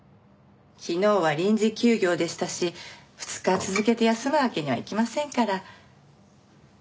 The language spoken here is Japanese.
昨日は臨時休業でしたし２日続けて休むわけにはいきませんから。